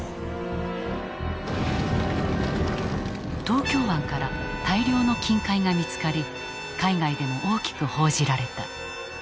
東京湾から大量の金塊が見つかり海外でも大きく報じられた。